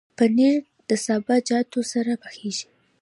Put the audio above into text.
پنېر د سابهجاتو سره پخېږي.